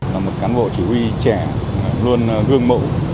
là một cán bộ chỉ huy trẻ luôn gương mẫu